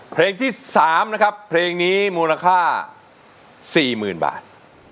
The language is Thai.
เพลงที่๓นะครับเพลงนี้มูลค่า๔๐๐๐บาท